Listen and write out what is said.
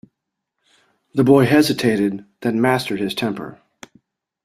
The boy hesitated, then mastered his temper.